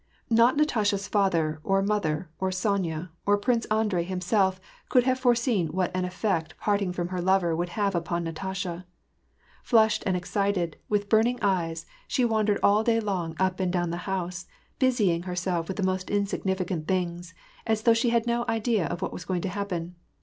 Not Natasha's father, or mother, or Sonya, or Prince Andrei himself, could have foreseen what an effect parting from her lover would have had upon Natasha. Flushed and excitcnl, with burning eyes, she wandered "all day long up and down the house, busying herself with the most insignificant things, as though she had no idea of what was going to happen.